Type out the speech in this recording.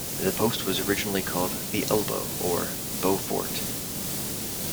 The post was originally called "The Elbow" or "Bow Fort".